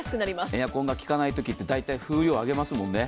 エアコンが効かないときって大体風量上げますもんね。